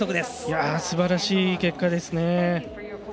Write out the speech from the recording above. すばらしい結果ですね。